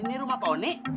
ini rumah pak onyek